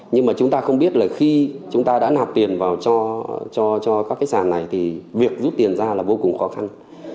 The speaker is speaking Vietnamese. nhưng mà chúng ta không biết là khi chúng ta đã nạp tiền vào cho các cái sản này thì việc rút tiền ra là vô cùng khó khăn